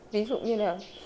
ví dụ như là